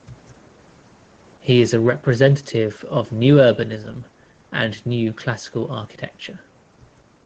He is a representative of New Urbanism and New Classical Architecture.